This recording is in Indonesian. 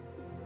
aku mau makan